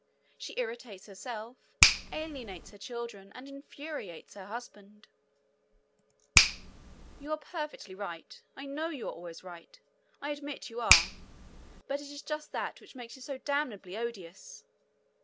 She irritates herself, alienates her children, and infuriates her husband: 'You are perfectly right; I know you are always right; I admit you are; but it is just that which makes you so damnably odious!'